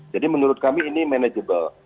jadi menurut kami ini manageable